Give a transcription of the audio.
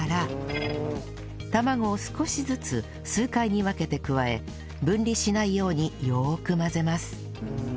卵を少しずつ数回に分けて加え分離しないようによーく混ぜます